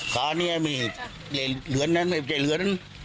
คาต์เนี้ยมีเหลืองนั้นเก็บใจเหลืองนั้น